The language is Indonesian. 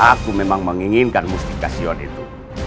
aku memang menginginkan musti kasihuat itu